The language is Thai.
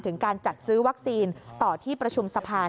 การจัดซื้อวัคซีนต่อที่ประชุมสะพาน